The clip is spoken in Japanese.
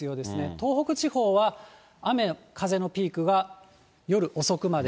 東北地方は、雨、風のピークは夜遅くまで。